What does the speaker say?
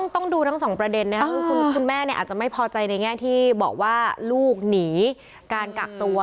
๒๐๑๐ต้องดูทั้ง๒ประเด็นคุณแม่เนี่ยอาจจะไม่พอใจในแง่ที่บอกว่าลูกหนีการกักตัว